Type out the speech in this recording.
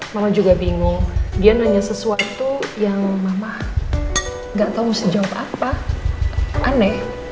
mamah juga bingung dia nanya sesuatu yang mamah enggak tahu mesti jawab apa aneh